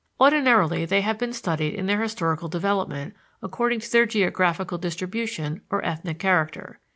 Ordinarily they have been studied in their historical development according to their geographical distribution or ethnic character.